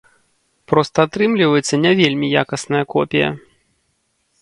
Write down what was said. Проста атрымліваецца не вельмі якасная копія.